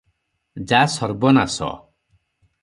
ଯାଃ ସର୍ବନାଶ ।